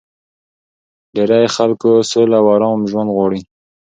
ډېری خلک سوله او ارام ژوند غواړي